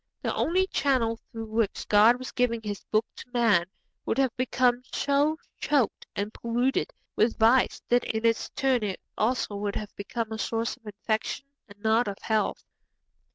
The one channel through which God was giving His Book to man would have become so choked and polluted with vice that in its turn it also would have become a source of infection and not of health.